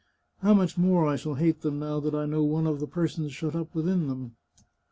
How much more I shall hate them now that I know one of the persons shut up within them!